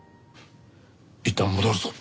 いったん戻るぞ。